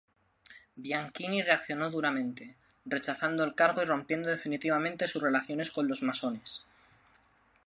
Bianchini reaccionó duramente, rechazando el cargo y rompiendo definitivamente sus relaciones con los masones.